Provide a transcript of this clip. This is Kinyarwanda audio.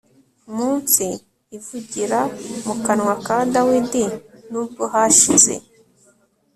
munsi ivugira mu kanwa ka dawidi nubwo hashize